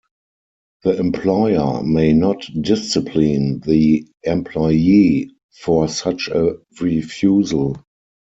The employer may not discipline the employee for such a refusal.